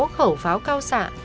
sáu khẩu pháo cao sạ